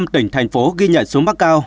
năm tỉnh thành phố ghi nhận số mắc cao